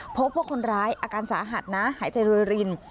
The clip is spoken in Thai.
พบว่าคนร้ายอาการสาหัสนะหายใจรวยริน